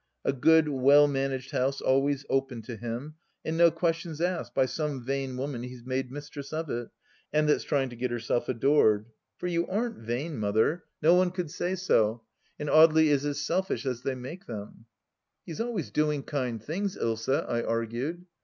A good, well managed house always open to him, and no questions asked by some vain woman he's made mistress of it, and that's trying to get herself adored. For you aren't vain. Mother ; 78 THE LAST DITCH no one could say so. And Audely is as selfish as they make them." " He is always doing kind things, Dsa," I argued.